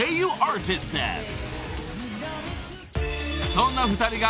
［そんな２人が］